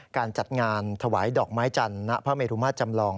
การจัดงานถวายดอกไม้จันทร์ณพระเมรุมาตรจำลอง